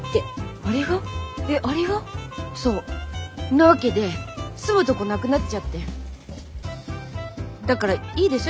なわけで住むとこなくなっちゃってだからいいでしょ？